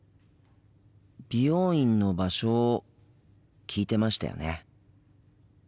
美容院の場所を聞いてましたよね？